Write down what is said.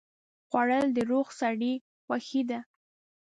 خوړل د روغ سړي خوښي ده